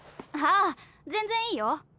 ああ全然いいよ。